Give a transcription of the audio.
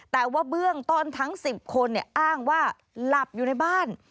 แต่ว่าเบื้องต้นทั้ง๑๐คนอ้างว่าหลับอยู่ในบ้าน